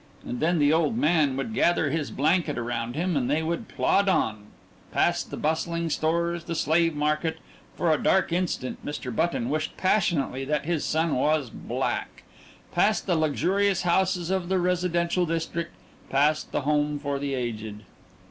And then the old man would gather his blanket around him and they would plod on, past the bustling stores, the slave market for a dark instant Mr. Button wished passionately that his son was black past the luxurious houses of the residential district, past the home for the aged....